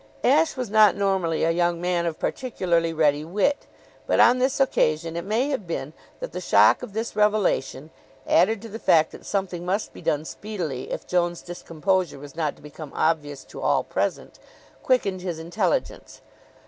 Ashe was not normally a young man of particularly ready wit; but on this occasion it may have been that the shock of this revelation, added to the fact that something must be done speedily if Joan's discomposure was not to become obvious to all present, quickened his intelligence.